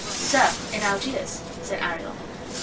"Sir, in Algiers," said Ariel.